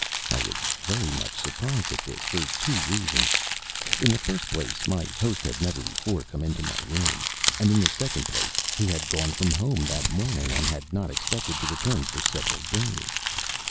I was very much surprised at this for two reasons. In the first place, my host had never before come into my room; and, in the second place, he had gone from home that morning, and had not expected to return for several days.